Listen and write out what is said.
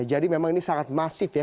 jadi memang ini sangat masif ya